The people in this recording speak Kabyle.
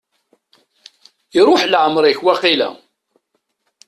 Iruḥ leɛmer-ik, waqila?